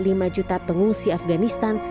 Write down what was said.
setidaknya ada lima lima juta pengungsi afganistan